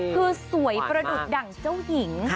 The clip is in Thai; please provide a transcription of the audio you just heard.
คือสวยประดุษดั่งเจ้าหญิง